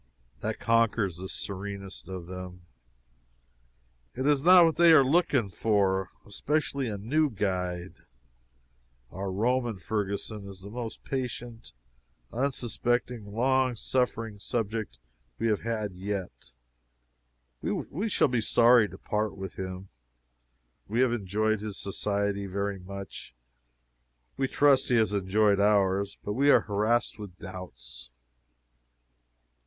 That conquers the serenest of them. It is not what they are looking for especially a new guide. Our Roman Ferguson is the most patient, unsuspecting, long suffering subject we have had yet. We shall be sorry to part with him. We have enjoyed his society very much. We trust he has enjoyed ours, but we are harassed with doubts.